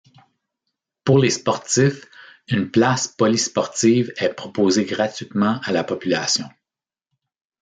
Pour les sportifs, une place polysportive est proposée gratuitement à la population.